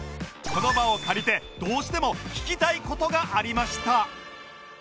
この場を借りてどうしても聞きたい事がありました